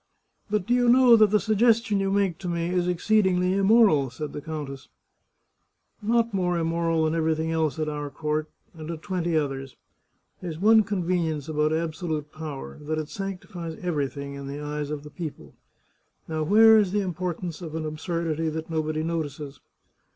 " But do you know that the suggestion you make to me is exceedingly immoral ?" said the countess. " Not more immoral than everything else at our court, and at twenty others. There's one convenience about abso lute power, that it sanctifies everything in the eyes of the people. Now where is the importance of an absurdity that nobody notices